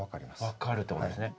分かるっていうことですね。